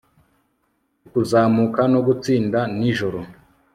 Ukuzamuka no gutsinda nijoro